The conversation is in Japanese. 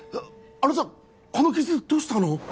あのさこの傷どうしたの？